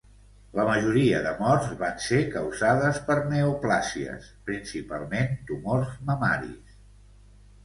La majoria de morts van ser causades per neoplàsies, principalment tumors mamaris.